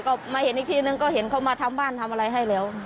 ก็มาเห็นอีกทีนึงก็เห็นเขามาทำบ้านทำอะไรให้แล้ว